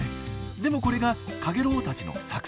でもこれがカゲロウたちの作戦。